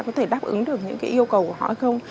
có thể đáp ứng được những cái yêu cầu của họ hay không